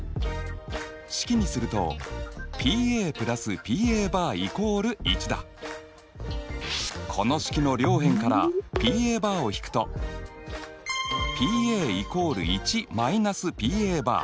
式にするとこの式の両辺からＰを引くとＰ＝１−Ｐ。